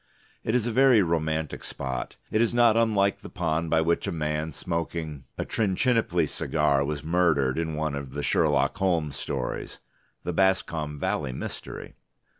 It is a very romantic spot, it is not unlike the pond by which a man smoking a Trichinopoly cigar was murdered in one of the Sherlock Holmes stories. (The Boscombe Valley Mystery!)